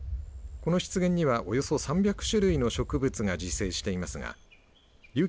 この湿原にはおよそ３００種類の植物が自生していますがリュウ